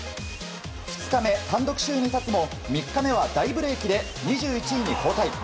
２日目、単独首位に立つも３日目は大ブレークで２１位に後退。